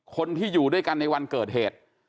คนที่อยู่ด้วยกันในวันเกิดเหตุ